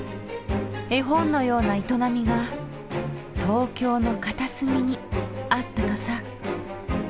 絵本のような営みが東京の片隅にあったとさ。